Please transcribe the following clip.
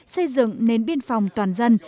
xây dựng nến biên phòng toàn dân